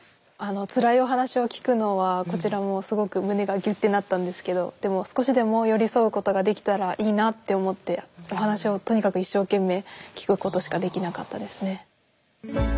つらいお話を聞くのはこちらもすごく胸がぎゅってなったんですけどでも少しでも寄り添うことができたらいいなって思ってお話をとにかく一生懸命聞くことしかできなかったですね。